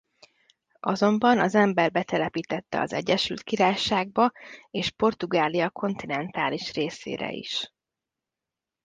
Azonban az ember betelepítette az Egyesült Királyságba és Portugália kontinentális részére is.